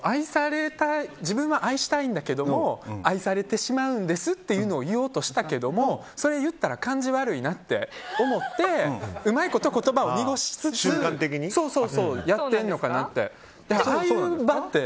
自分は愛したいんだけど愛されてしまうんですって言おうとしたけどもそれを言ったら感じ悪いなって思ってうまいこと言葉を濁しつつやってるのかなって。